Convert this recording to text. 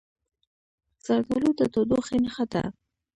زردالو د تودوخې نښه ده.